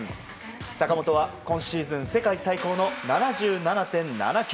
坂本は今シーズン世界最高の７７．７９。